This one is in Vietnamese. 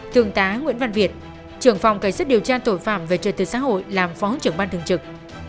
thường tá nguyễn văn việt trưởng phòng cải sát điều tra tội phạm về truyền thức xã hội làm phó trưởng ban thường trực